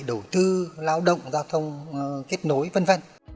đầu tư lao động giao thông kết nối v v